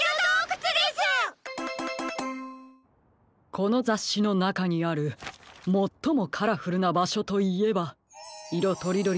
このざっしのなかにあるもっともカラフルなばしょといえば。